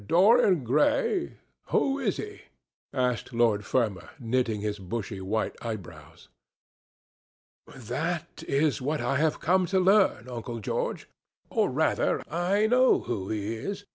Dorian Gray? Who is he?" asked Lord Fermor, knitting his bushy white eyebrows. "That is what I have come to learn, Uncle George. Or rather, I know who he is.